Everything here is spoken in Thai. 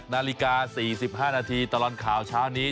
นาฬิกา๔๕นาทีตลอดข่าวเช้านี้